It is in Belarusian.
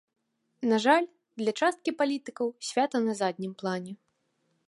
На жаль, для часткі палітыкаў свята на заднім плане.